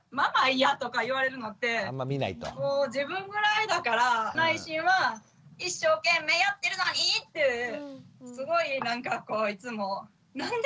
嫌とか言われるのってもう自分ぐらいだから内心は一生懸命やってるのに！ってすごいなんかこういつもなんで？